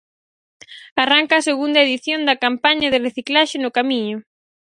Arranca a segunda edición da campaña de reciclaxe no Camiño.